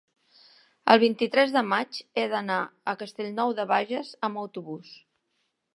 el vint-i-tres de maig he d'anar a Castellnou de Bages amb autobús.